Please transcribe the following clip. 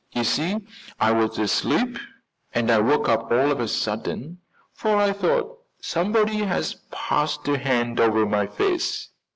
You see I was asleep and I woke up all of a sudden, for I thought somebody had passed a hand over my face.